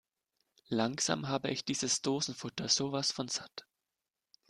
Langsam habe ich dieses Dosenfutter sowas von satt!